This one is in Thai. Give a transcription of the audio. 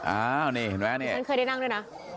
อ้าวนี่เห็นไหมอันนี้